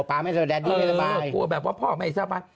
แต่แดดดี้ก็เป็นรายบาย